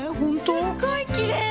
すっごいきれい！